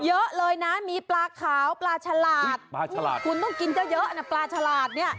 เยอะเลยนะมีปลาขาวปลาฉลาดคุณต้องกินเยอะปลาฉลาดเนี่ย